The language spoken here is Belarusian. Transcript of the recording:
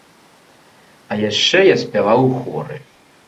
А яшчэ я спяваў у хоры.